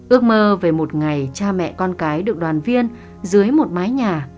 ước mơ về một ngày cha mẹ con cái được đoàn viên dưới một mái nhà